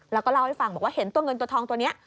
แล้วก็เล่าให้ฟังบอกว่าเห็นตัวเงินตัวทองตัวนี้